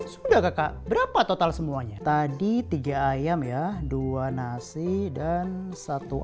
sudah kakak berapa total semuanya tadi tiga ayam ya duma nuts